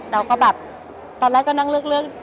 เราก็แบบตอนแรกก็นั่งเลือก